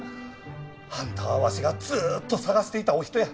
あんたはわしがずっと探していたお人や。